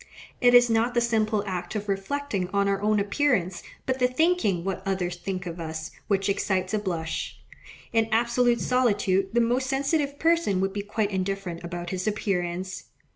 It is not the simple act of reflecting on our own appearance, but the thinking what others think of us, which excites a blush. In absolute solitude the most sensitive person would be quite indifferent about his appearance.